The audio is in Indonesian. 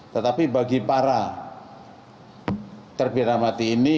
tetapi bagi para terpilihan amatir ini